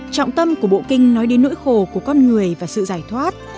trọng tâm của bộ kinh nói đến nỗi khổ của con người và sự giải thoát